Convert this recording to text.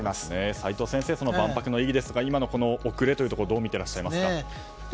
齋藤先生、万博の意義ですが今の遅れどう見ていらっしゃいますか。